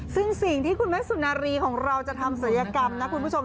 ซึ่งสิ่งที่คุณแม่สุนารีของเราจะทำศัลยกรรมนะคุณผู้ชม